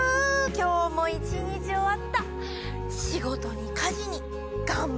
今日も一日終わった。